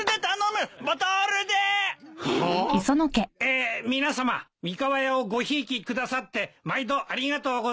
え皆さま三河屋をごひいきくださって毎度ありがとうございます。